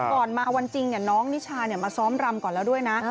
ก่อนมาวันจริงน้องนิชามาซ้อมรำก่อนแล้วด้วยนะ